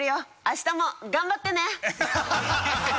明日も頑張ってね！